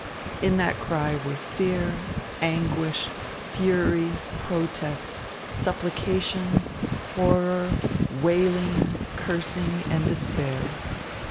In that cry were fear, anguish, fury, protest, supplication, horror, wailing, cursing, and despair.